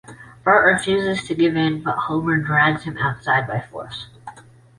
Bart refuses to give in, but Homer drags him outside by force.